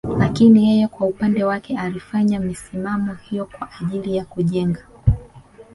Lakini yeye kwa upande wake alifanya misimamo hiyo kwa ajili ya kujenga